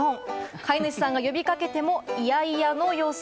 飼い主さんが呼びかけてもイヤイヤの様子。